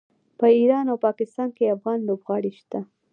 په ایران او پاکستان کې افغان لوبغاړي شته.